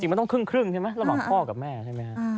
จริงไม่ต้องครึ่งใช่ไหมระหว่างพ่อกับแม่ใช่ไหม